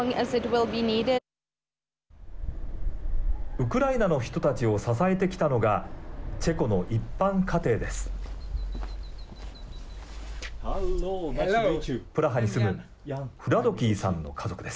ウクライナの人たちを支えてきたのがチェコの一般家庭です。